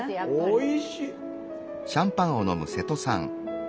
おいしい。